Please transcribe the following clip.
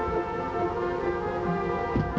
สวัสดีครับ